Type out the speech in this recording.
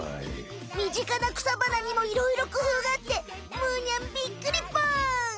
身近な草花にもいろいろくふうがあってむにゃんびっくりぽん！